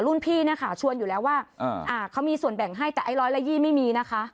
พี่เนี่ยค่ะชวนอยู่แล้วว่าเขามีส่วนแบ่งให้แต่ไอ้ร้อยละยี่ไม่มีนะคะ